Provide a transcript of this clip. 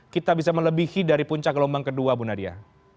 kita bisa melebihi dari puncak gelombang kedua bu nadia